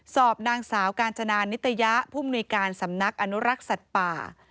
สอบนางสาวกาญจนานิตยะผู้มนุยการสำนักอนุรักษ์สัตว์ป่า